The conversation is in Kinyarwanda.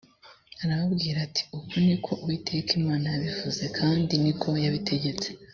arababwira ati” uku ni ko uwiteka imana yabivuze kandi niko yabitegetse”